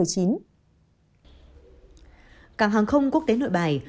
cảng hàng không quốc tế nội bài